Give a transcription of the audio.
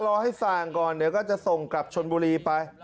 รอให้สั่งก่อนเดี๋ยวก็จะส่งกลับชนบุรีไป